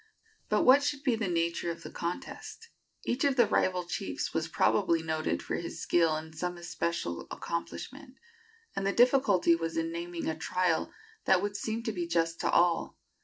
But what should be the nature of the contest? Each of the rival chiefs was probably noted for his skill in some especial accomplishment, and the difficulty was in naming a trial that would seem to be just to all.